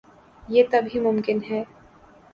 یہ تب ہی ممکن ہے۔